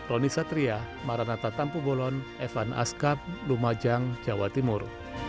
roni satria maranatha tampugolon evan askap lumajang jawa timur